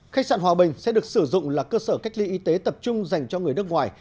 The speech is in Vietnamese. khách sạn hòa bình sẽ được sử dụng là cơ sở cách ly y tế tập trung dành cho người nước ngoài